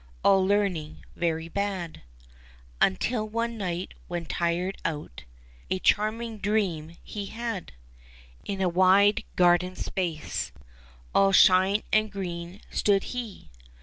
All learning very bad, Until one night, when tired out, A charming dream he had : In a wide garden space. All shine and green, stood he.